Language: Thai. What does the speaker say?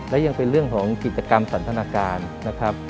และยังเป็นเรื่องของกิจกรรมสันทนาการนะครับ